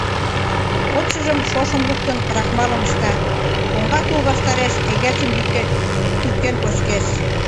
Кодшыжым, шошым луктын, крахмалым ышта, коҥга тул ваштареш эгерчым кӱктен кочкеш.